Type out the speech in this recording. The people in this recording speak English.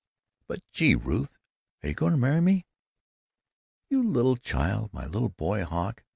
"But gee! Ruth, you are going to marry me?" "You little child! My little boy Hawk!